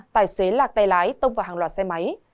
tài xế lạc tay lái tông vào hàng loạt xe máy